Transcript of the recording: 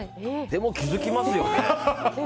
でも気づきますよね。